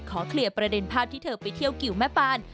เคลียร์ประเด็นภาพที่เธอไปเที่ยวกิวแม่ปาน